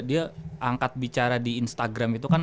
dia angkat bicara di instagram itu kan